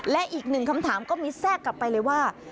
และอีกหนึ่งคำถามก็มีแทรกกลับไปเลยว่า